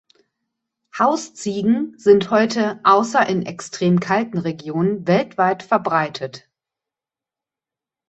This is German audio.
Hausziegen sind heute außer in extrem kalten Regionen weltweit verbreitet.